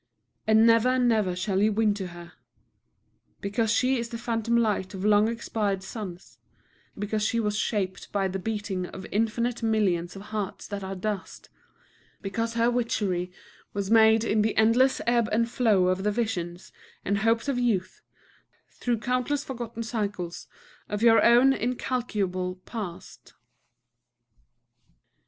And never, never shall you win to her, because she is the phantom light of long expired suns, because she was shaped by the beating of infinite millions of hearts that are dust, because her witchery was made in the endless ebb and flow of the visions and hopes of youth, through countless forgotten cycles of your own incalculable past.